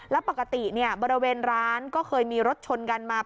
แล้วปกติบริเวณร้านก็เคยมีรถชนกันมา